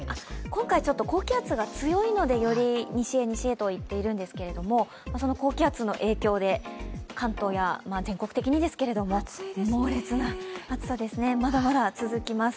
今回ちょっと高気圧が強いので、より西へ西へと行っているんですけれども、高気圧の影響で、関東や、全国的にですけれども、猛烈な暑さですね、まだまだ続きます。